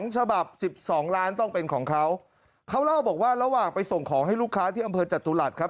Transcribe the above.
ฉบับ๑๒ล้านต้องเป็นของเขาเขาเล่าบอกว่าระหว่างไปส่งของให้ลูกค้าที่อำเภอจตุรัสครับ